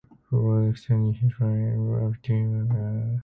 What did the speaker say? Flores extended his line and brought up two more guns.